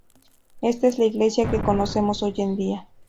Esta es la iglesia que conocemos hoy en día.